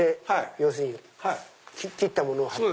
要するに切ったものを貼って。